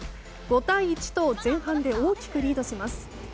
５対１と前半で大きくリードします。